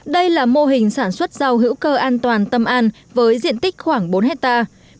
đây là mô hình sản xuất rau hữu cơ an toàn tâm an với diện tích khoảng bốn hectare